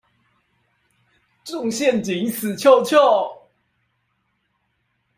中陷阱死翹翹